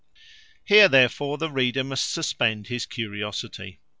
Here therefore the reader must suspend his curiosity.